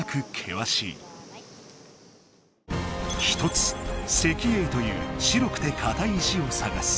１つ石英という白くてかたい石を探す。